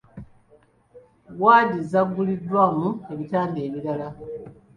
Waadi z'aguliddwamu ebitanda ebirala.